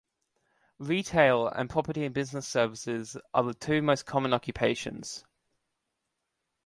Retail and property and business services are the two most common occupations.